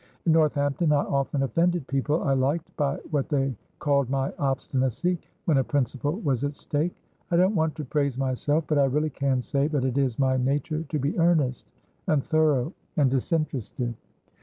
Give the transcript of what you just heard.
At Northampton I often offended people I liked by what they called my obstinacy when a principle was at stake. I don't want to praise myself, but I really can say that it is my nature to be earnest and thorough and disinterested."